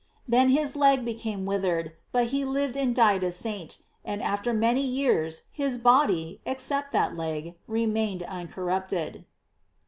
Then his leg became withered, but he lived and died a saint; and after many years his body, ex cept that leg, remained uncorrupted.